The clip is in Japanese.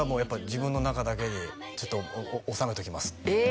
「自分の中だけにちょっと納めときます」え！